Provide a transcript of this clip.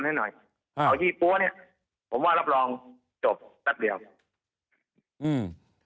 ให้หน่อยอ่าเอายี่ปั้วเนี้ยผมว่ารับรองจบแป๊บเดียวอืม